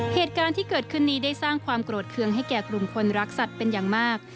เหตุการณ์ที่เกิดขึ้นนี้ได้สร้างความโกรธเครื่องให้แก่กลุ่มคนรักสัตว์เป็นอย่างมาก